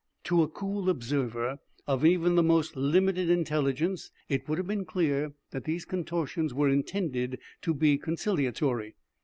To a cool observer of even the most limited intelligence it would have been clear that these contortions were intended to be conciliatory.